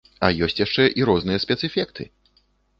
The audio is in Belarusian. А ёсць яшчэ і розныя спецэфекты!